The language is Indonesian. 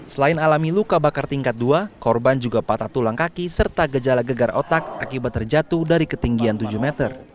selain alami luka bakar tingkat dua korban juga patah tulang kaki serta gejala gegar otak akibat terjatuh dari ketinggian tujuh meter